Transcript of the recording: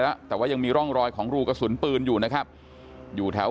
แล้วแต่ว่ายังมีร่องรอยของรูกระสุนปืนอยู่นะครับอยู่แถว